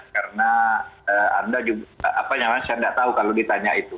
karena anda juga apa yang saya tidak tahu kalau ditanya itu